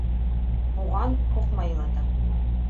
Һуған һуҡмай илата.